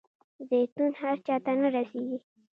زیتون هر چاته نه رسیږي.